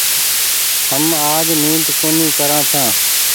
هم آج نيد ڪونيٚ ڪران ڇآن۔